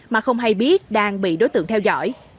mà không hay biết đang bị đối tượng theo dõi